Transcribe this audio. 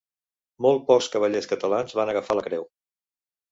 Molt pocs cavallers catalans van agafar la creu.